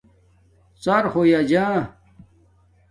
ژَر ہوئ جا